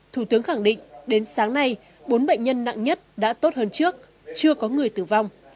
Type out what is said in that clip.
thủ tướng khẳng định đến sáng nay bốn bệnh nhân nặng nhất đã tốt hơn trước chưa có người tử vong